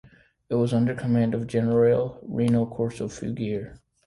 It was under command of "Generale" Rino Corso Fougier.